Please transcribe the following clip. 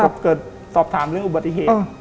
แล้วก็เกิดสอบถามเรื่องอุบัติเหตุอ้อ